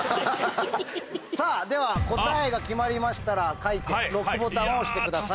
さぁでは答えが決まりましたら書いてロックボタンを押してください。